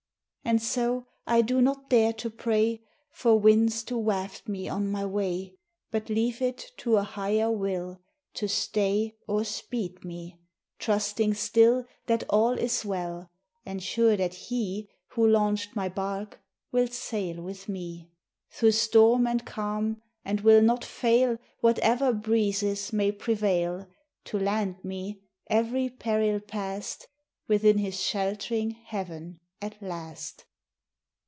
And so I do not dare to pray For winds to waft me on my way, But leave it to a Higher Will To stay or speed me; trusting still That all is well, and sure that He Who launched my bark will sail with me Through storm and calm, and will not fail, Whatever breezes may prevail, To land me, every peril past, Within his sheltering heaven at last.